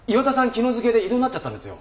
昨日付で異動になっちゃったんですよ。